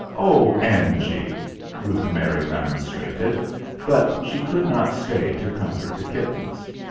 "Oh, Angy!" Ruth Mary remonstrated, but she could not stay to comfort the kittens.